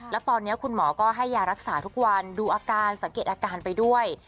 แล้วตอนนี้คุณหมอก็ให้ยารักษาทุกวันดูอาการสังเกตอาการไปด้วย